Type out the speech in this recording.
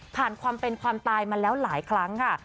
ความเป็นความตายมาแล้วหลายครั้งค่ะ